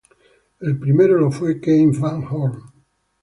El primero lo fue Keith Van Horn.